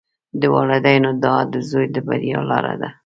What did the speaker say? د والدینو دعا د زوی د بریا لاره ده.